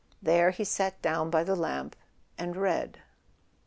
There he sat down by the lamp and read.